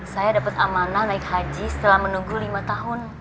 saya dapat amanah naik haji setelah menunggu lima tahun